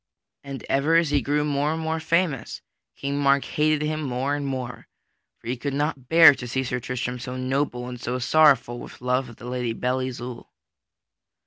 And ever as he grew more and more famous, King Mark hated him more and more. For he could not bear to see Sir Tristram so noble and so sorrowful with love of the Lady Belle Isoult.